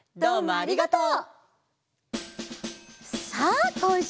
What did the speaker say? ありがとう！